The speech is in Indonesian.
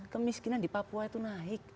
kemiskinan di papua itu naik